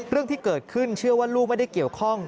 เรื่องที่เกิดขึ้นเชื่อว่าลูกไม่ได้เกี่ยวข้อง